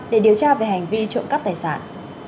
để điều tra về hành vi trộm cắp tài sản